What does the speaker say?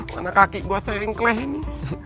mana kaki gue selingkleh ini